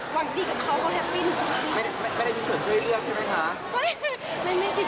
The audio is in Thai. เป็นพี่น้องกันหวังดีดีจริง